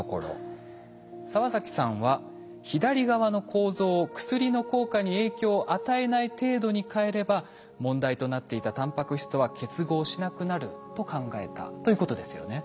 澤崎さんは左側の構造を薬の効果に影響を与えない程度に変えれば問題となっていたタンパク質とは結合しなくなると考えたということですよね。